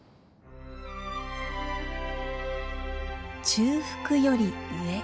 中腹より上。